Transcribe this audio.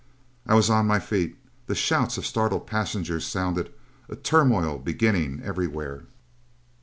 I was on my feet. The shouts of startled passengers sounded, a turmoil beginning everywhere.